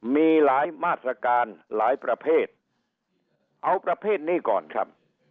มีหลายมาตรการหลายประเภทเอาประเภทนี้ก่อนครับ